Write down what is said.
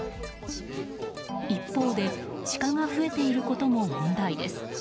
一方でシカが増えていることも問題です。